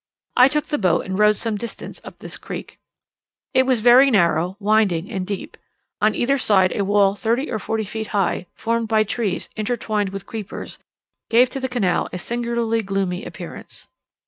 I took the boat and rowed some distance up this creek. It was very narrow, winding, and deep; on each side a wall thirty or forty feet high, formed by trees intwined with creepers, gave to the canal a singularly gloomy appearance.